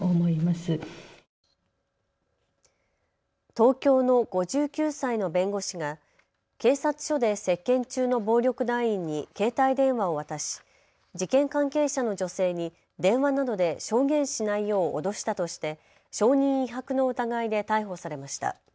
東京の５９歳の弁護士が警察署で接見中の暴力団員に携帯電話を渡し事件関係者の女性に電話などで証言しないよう脅したとして証人威迫の疑いで逮捕されました。